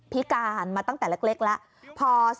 พิการมาตั้งแต่เล็กแล้ว